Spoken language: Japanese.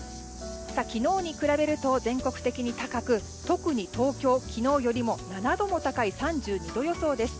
昨日に比べると全国的に高く特に東京、昨日よりも７度も高い３２度予想です。